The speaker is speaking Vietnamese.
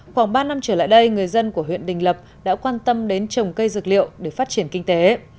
khoảng ba năm trở lại đây người dân của huyện đình lập đã quan tâm đến trồng cây dược liệu để phát triển kinh tế